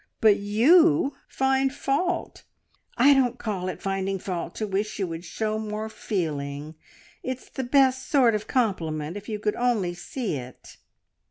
But you find fault " "I don't call it finding fault to wish you would show more feeling! It's the best sort of compliment, if you could only see it."